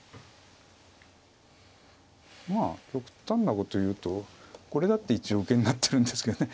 まあ極端なこと言うとこれだって一応受けになってるんですけどね。